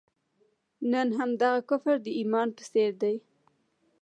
نن همدغه کفر د ایمان په څېر دی.